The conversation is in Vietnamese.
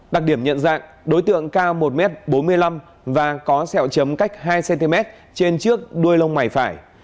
đặc điểm nhận dạng đối tượng cao một m bốn mươi năm và có sẹo chấm cách hai cm trên trước đuôi lông mày phải